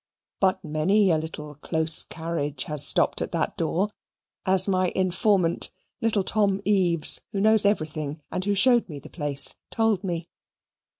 But many a little close carriage has stopped at that door, as my informant (little Tom Eaves, who knows everything, and who showed me the place) told me.